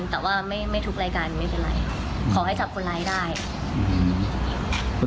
แต่ว่าไม่ไม่ทุกรายการไม่เป็นไรขอให้จับคนร้ายได้อืม